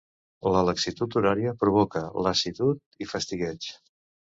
La laxitud horària provoca lassitud i fastigueig.